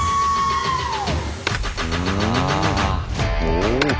うん。